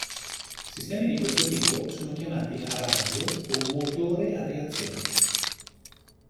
Sistemi di questo tipo sono chiamati a razzo o motore a reazione.